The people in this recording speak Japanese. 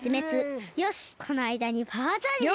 よしこのあいだにパワーチャージです。